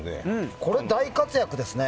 これ、大活躍ですね。